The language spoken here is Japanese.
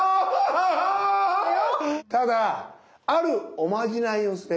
ただあるおまじないをすれば。